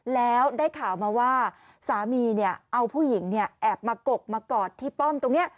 แล้วได้ข่าวมาว่าสามีเนี่ยเอาผู้หญิงเนี่ยแอบมากกมากอดที่ป้อมตรงนี้